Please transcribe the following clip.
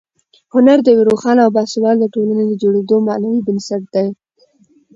هنر د یوې روښانه او باسواده ټولنې د جوړېدو معنوي بنسټ دی.